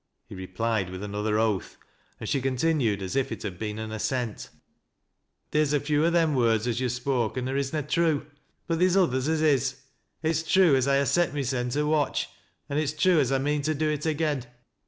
He replied with another oath, and she continued as if it had been an assent. " Theer's a few o' them words as yo've spoken as is na true, but theer's others as is. It's true as I ha' set mysen to watch, an' it's true as I mean to do it again.